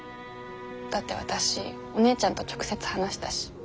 だって私お姉ちゃんと直接話したし。